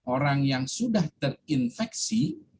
orang yang sudah terinfeksi